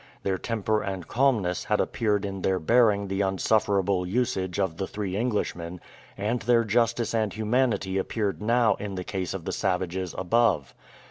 Their temper and calmness had appeared in their bearing the insufferable usage of the three Englishmen; and their justice and humanity appeared now in the case of the savages above.